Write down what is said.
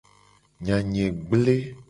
Nya nye gble.